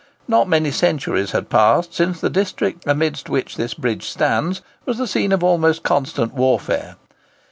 Not many centuries had passed since the district amidst which this bridge stands was the scene of almost constant warfare.